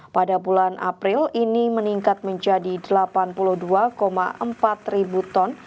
pada bulan april ini meningkat menjadi delapan puluh dua empat ribu ton